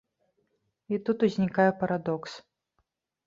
І тут узнікае парадокс.